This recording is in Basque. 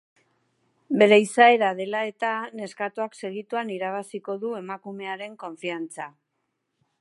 Bere izaera dela-eta, neskatoak segituan irabaziko du emakumearen konfiantza.